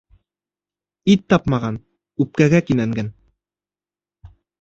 Ит тапмаған үпкәгә кинәнгән